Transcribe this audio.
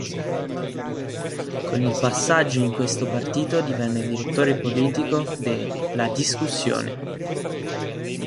Con il passaggio in questo partito diviene direttore politico de "La Discussione".